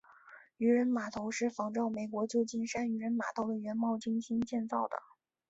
渔人码头是仿照美国旧金山渔人码头的原貌精心建造的。